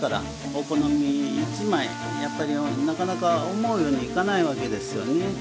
お好み一枚やっぱりなかなか思うようにはいかないわけですよね。